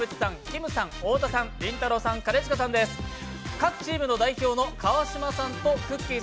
各チームの代表の川島さんとくっきー！